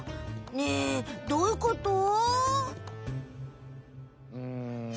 ねえどういうこと？